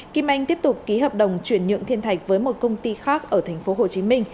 kim anh tiếp tục ký hợp đồng chuyển nhượng thiên thạch với một công ty khác ở tp hcm